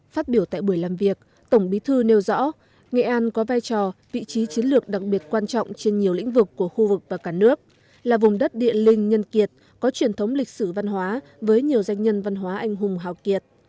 phát biểu tại buổi làm việc tổng bí thư nêu rõ nghệ an có vai trò vị trí chiến lược đặc biệt quan trọng trên nhiều lĩnh vực của khu vực và cả nước là vùng đất địa linh nhân kiệt có truyền thống lịch sử văn hóa với nhiều danh nhân văn hóa anh hùng hào kiệt